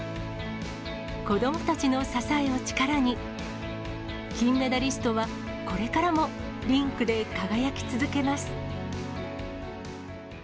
子どもたちの支えを力に、金メダリストは、これからもリンクで輝き続けます。